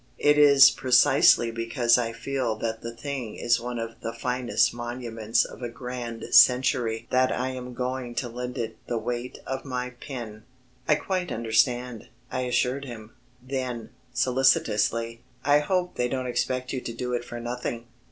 It is percisely because I feel that the thing is one of the finest monuments of a grand century that I am going to lend it the weight of my pen." "I quite understand," I assured him; then, solicitously, "I hope they don't expect you to do it for nothing."